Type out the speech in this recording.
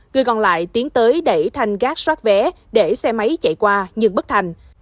người còn lại tiến tới đẩy thanh gác xoát vé để xe máy chạy qua nhưng bất thành